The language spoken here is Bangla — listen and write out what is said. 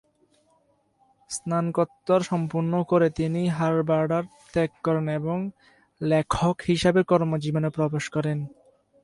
স্নাতকোত্তর সম্পন্ন করে তিনি হার্ভার্ড ত্যাগ করেন এবং লেখক হিসাবে কর্মজীবনে প্রবেশ করেন।